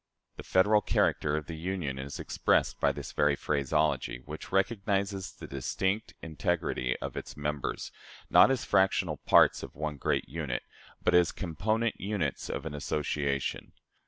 " The Federal character of the Union is expressed by this very phraseology, which recognizes the distinct integrity of its members, not as fractional parts of one great unit, but as component units of an association.